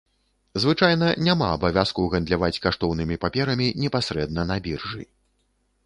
Звычайна, няма абавязку гандляваць каштоўнымі паперамі непасрэдна на біржы.